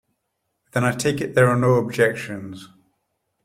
Then I take it there are no objections.